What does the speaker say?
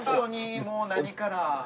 もう何から。